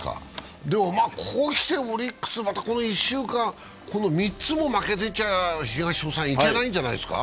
ここへ来て、オリックスがこの１週間３つも負けてちゃいけないんじゃないですか。